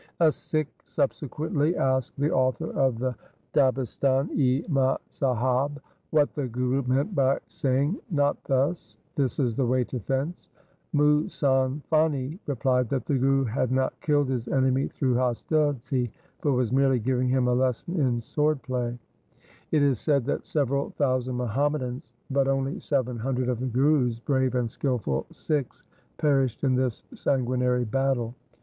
A Sikh subsequently asked the author of the Dabistan i Mazahab, what the Guru meant by say ing, 'Not thus; this is the way to fence.' Muhsan Fani replied that the Guru had not killed his enemy through hostility, but was merely giving him a lesson in sword play. 1 It is said that several thousand Muhammadans but only seven hundred of the Guru's brave and skilful Sikhs perished in this sanguinary battle.